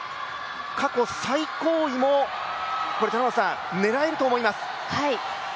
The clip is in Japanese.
過去最高位も狙えると思います。